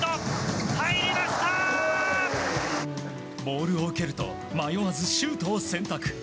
ボールを受けると迷わずシュートを選択。